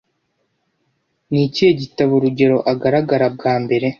Ni ikihe gitabo Rugero agaragara bwa mbere